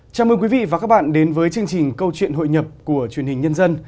chào mừng quý vị và các bạn đến với chương trình câu chuyện hội nhập của truyền hình nhân dân